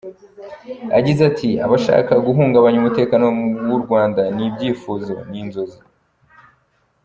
Yagize ati" Abashaka guhungabanya umutekano w’u Rwanda ni ibyifuzo; ni inzozi".